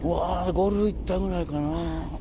ゴルフ行ったぐらいかな。